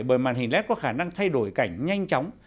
bởi màn hình led có khả năng thay đổi cảnh nhanh chóng